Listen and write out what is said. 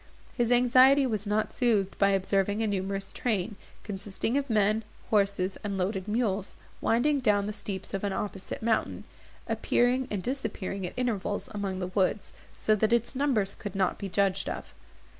His anxiety was not soothed by observing a numerous train, consisting of men, horses, and loaded mules, winding down the steeps of an opposite mountain, appearing and disappearing at intervals among the woods, so that its numbers could not be judged of.